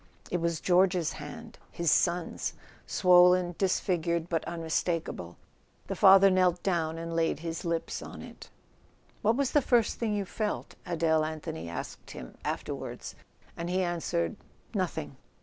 It was George's hand, his son's, swollen, disfigured but unmistakable. The father knelt down and laid his lips on it. "What was the first thing you felt?" Adele Anthony asked him afterward: and he answered: "Nothing."